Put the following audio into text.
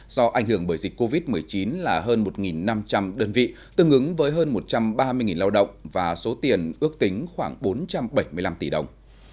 do ảnh hưởng bởi dịch covid một mươi chín là hơn một năm trăm linh đơn vị tương ứng với hơn một trăm ba mươi lao động và số tiền ước tính khoảng bốn trăm bảy mươi năm tỷ đồng